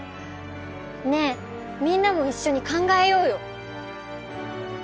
ねえみんなもいっしょに考えようよ。